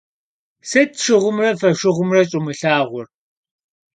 Sıt şşığumre foşşığumre ş'umılhağur?